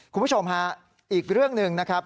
คุณผู้ชมฮะอีกเรื่องหนึ่งนะครับ